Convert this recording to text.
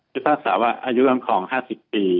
ภิพศาสตร์ว่าอายุกำคอง๕๐ปี